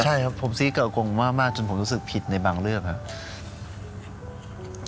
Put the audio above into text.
ใช่ครับผมซี้เกากงมากจนผมรู้สึกผิดในบางเรื่องครับ